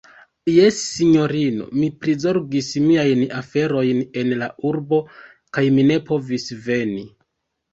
Jes, sinjorino, mi prizorgis miajn aferojn en la urbo kaj mi ne povis veni.